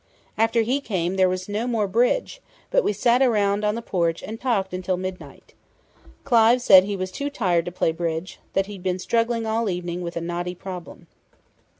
After he came, there was no more bridge, but we sat around on the porch and talked until midnight. Clive said he was too tired to play bridge that he'd been struggling all evening with a knotty problem."